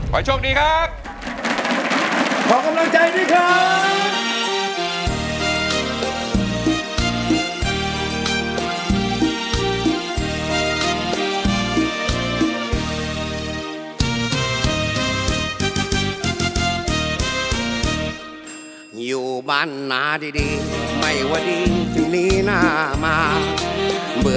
ปล่อยโชคดีครับ